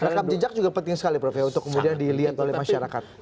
rekam jejak juga penting sekali prof ya untuk kemudian dilihat oleh masyarakat